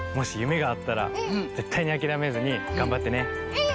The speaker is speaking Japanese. うん！